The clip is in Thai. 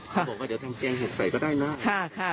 เขาบอกว่าเดี๋ยวทำแกงเห็ดใส่ก็ได้นะ